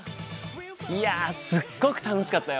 いやすっごく楽しかったよ！